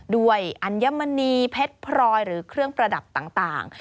อัญมณีเพชรพรอยหรือเครื่องประดับต่าง